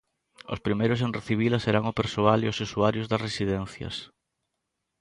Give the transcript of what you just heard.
Os primeiros en recibila serán o persoal e os usuarios das residencias.